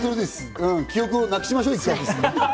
記憶を１回なくしましょう。